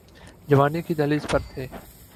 جوانی کی دہلیز پہ تھے۔